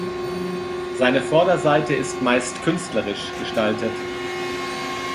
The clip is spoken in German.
Seine Vorderseite ist meist künstlerisch gestaltet.